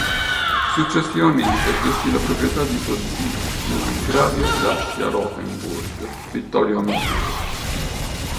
Successivamente gestì la proprietà di suo zio, il Langravio d'Assia-Rotenburg, Vittorio Amedeo.